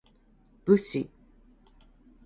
武士